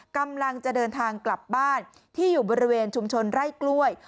กำลังจะเดินทางกลับบ้านที่อยู่บริเวณชุมชนไร่กล้วย